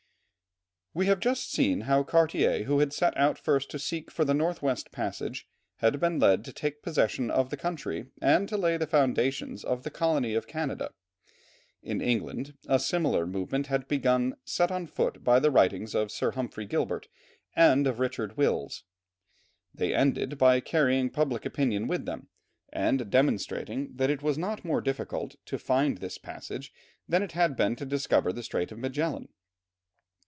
We have just seen how Cartier, who had set out first to seek for the north west passage, had been led to take possession of the country and to lay the foundations of the colony of Canada. In England a similar movement had begun, set on foot by the writings of Sir Humphrey Gilbert and of Richard Wills. They ended by carrying public opinion with them, and demonstrating that it was not more difficult to find this passage than it had been to discover the Strait of Magellan.